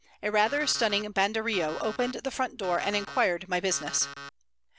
A rather stunning banderillo opened the front door and inquired my business.